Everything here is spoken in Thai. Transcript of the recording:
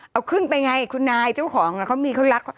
เอาขึ้นไปไงคุณนายเจ้าของเขามีเขารัก